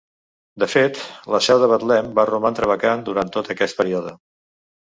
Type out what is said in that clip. De fet, la seu de Betlem va romandre vacant durant tot aquest període.